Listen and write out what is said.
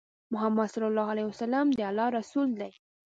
محمد صلی الله عليه وسلم د الله رسول دی